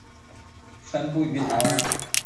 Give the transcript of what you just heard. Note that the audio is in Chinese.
该种分布于台湾等地。